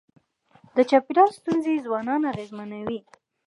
د چاپېریال ستونزې ځوانان اغېزمنوي.